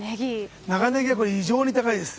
長ネギ、これは異常に高いです。